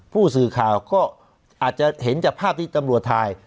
ผู้สื่อข่าวก็อาจจะเห็นจากภาพที่ตำรวจถ่าย